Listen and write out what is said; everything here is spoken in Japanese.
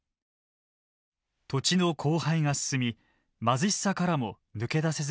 土地の荒廃が進み貧しさからも抜け出せずにいたのです。